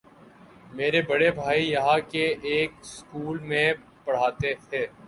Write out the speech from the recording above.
میرے بڑے بھائی یہاں کے ایک سکول میں پڑھاتے تھے۔